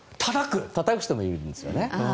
たたく人もいるんですね。